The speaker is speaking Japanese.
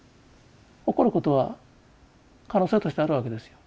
起こることは可能性としてあるわけですよ。